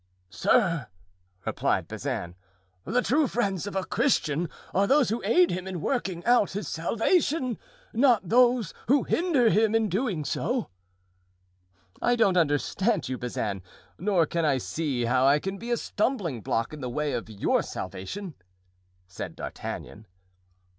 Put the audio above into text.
"Sir," replied Bazin, "the true friends of a Christian are those who aid him in working out his salvation, not those who hinder him in doing so." "I don't understand you, Bazin; nor can I see how I can be a stumbling block in the way of your salvation," said D'Artagnan.